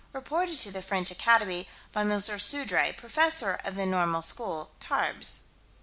Reported to the French Academy by M. Sudre, professor of the Normal School, Tarbes.